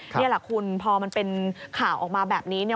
นี่แหละคุณพอมันเป็นข่าวออกมาแบบนี้เนี่ย